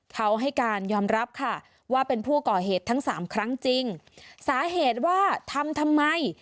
เขาให้การยอมรับค่ะว่าเป็นผู้ก่อเหตุทั้งสามครั้งจริงสาเหตุว่าทำทำไม